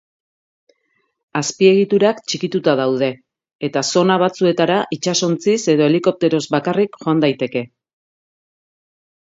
Azpiegiturak txikituta daude eta zona batzuetara itsasontziz edo helikopteroz bakarrik joan daiteke.